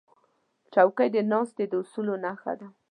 چوکۍ د ناستې د اصولو نښه ده.